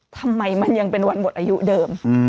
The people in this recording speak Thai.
ทำไมมันยังเป็นวันหมดอายุเดิม